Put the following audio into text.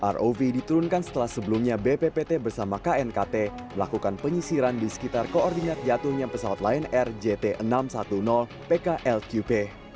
rov diturunkan setelah sebelumnya bppt bersama knkt melakukan penyisiran di sekitar koordinat jatuhnya pesawat lion air jt enam ratus sepuluh pklqp